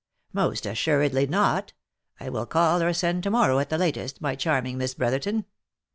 " Most assuredly not ! I will call or send to morrow at the latest, my charming Miss Brotherton